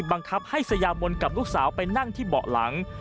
บังคับให้สยามนกับลูกสาวไปนั่งที่เบาะหลัง